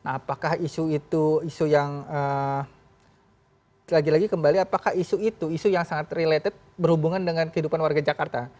nah apakah isu itu isu yang lagi lagi kembali apakah isu itu isu yang sangat related berhubungan dengan kehidupan warga jakarta